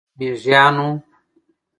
میږیانو،